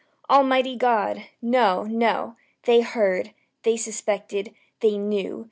Almighty God! no, no! They heard! they suspected! they knew!